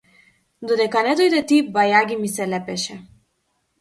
Додека не дојде ти, бајаги ми се лепеше.